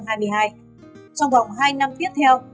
trong vòng hai năm tiếp theo